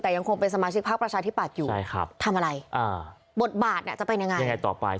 แต่ยังคงเป็นสมาชิกพักประชาธิบัติอยู่ทำอะไรบทบาทจะเป็นยังไง